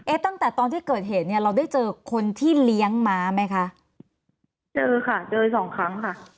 ตั้งแต่ตอนที่เกิดเหตุเนี่ยเราได้เจอคนที่เลี้ยงม้าไหมคะเจอค่ะเจอสองครั้งค่ะ